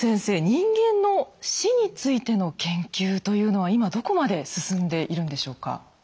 人間の死についての研究というのは今どこまで進んでいるんでしょうか？